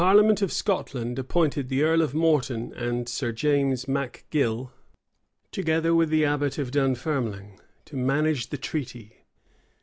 } The parliament of Scotland appointed the earl of Morton and Sir James Macgill, together with the abbot of Dunfermling, to manage the treaty.